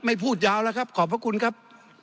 พูดยาวแล้วครับขอบพระคุณครับ